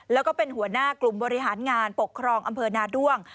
แล้วก็เป็นหัวหน้ากลุ่มบริหารงานปกครองอำเภอนาด้วง